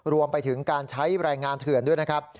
รวมไปถึงการใช้แรงงานเถื่อนด้วยนะครับ